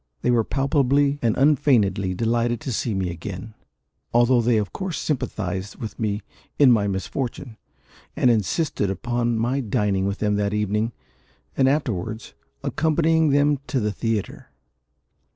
They were palpably and unfeignedly delighted to see me again, although they of course sympathised with me in my misfortune, and insisted upon my dining with them that evening, and afterwards accompanying them to the theatre.